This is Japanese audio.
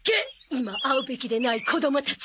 今会うべきでない子供たち